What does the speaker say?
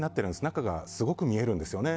中がすごく見えるんですよね。